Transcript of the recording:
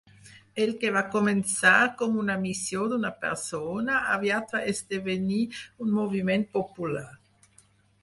El que va començar com una missió d'una persona, aviat va esdevenir un moviment popular.